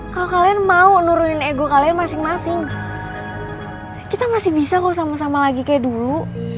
kalau kalian mau nurunin ego kalian masing masing kita masih bisa kok sama sama lagi kayak dulu